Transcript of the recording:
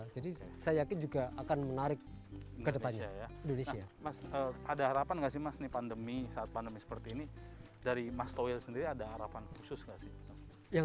jadi saya yakin juga akan menarik kedepannya indonesia